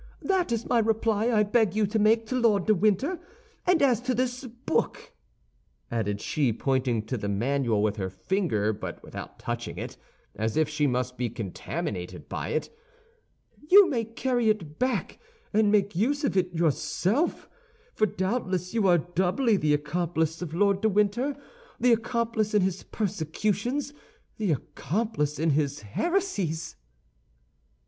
That is the reply I beg you to make to Lord de Winter. And as to this book," added she, pointing to the manual with her finger but without touching it, as if she must be contaminated by it, "you may carry it back and make use of it yourself, for doubtless you are doubly the accomplice of Lord de Winter—the accomplice in his persecutions, the accomplice in his heresies."